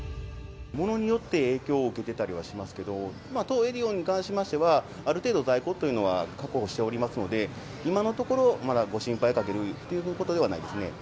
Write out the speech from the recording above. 物によって影響を受けてたりはしますけど、当エディオンに関しましては、ある程度、在庫というのは確保しておりますので、今のところ、まだご心配をかけるというほどではないですね。